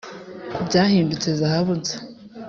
byahindutse zahabu nsa!